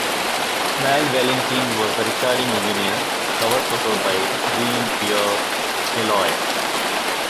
Val Valentin was the recording engineer, Cover photo by Jean-Pierre Leloir.